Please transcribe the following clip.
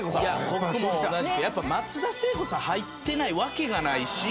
やっぱ松田聖子さん入ってないわけがないし。